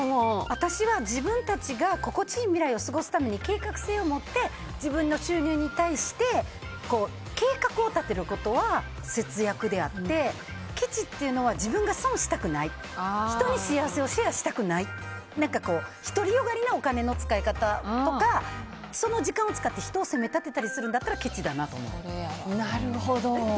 私は自分たちが心地いい未来を過ごすために計画性を持って自分の収入に対して計画を立てることは節約であってけちっていうのは自分が損したくない人に幸せをシェアしたくない独りよがりなお金の使い方とかその時間を使って人を責め立てたりするんだったらけちだなと思う。